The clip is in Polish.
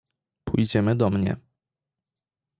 — Pójdziemy do mnie.